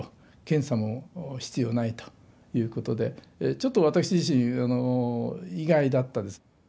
検査も必要ないということでちょっと私自身意外だったです。